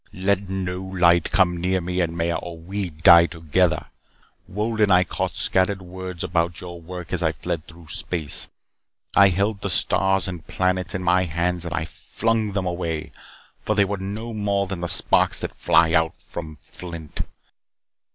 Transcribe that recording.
"Let no light come near me and Maya or we die together. Wolden, I caught scattered words about your work as I fled through space. I held the stars and planets in my hands and I flung them away, for they were no more than the sparks that fly out from flint.